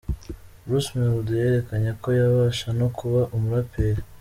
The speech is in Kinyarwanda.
Bruce Melody yerekanye ko yabasha no kuba umuraperi.